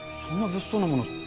そんな物騒なもの